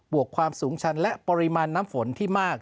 วกความสูงชันและปริมาณน้ำฝนที่มาก